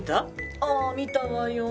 ああ見たわよ。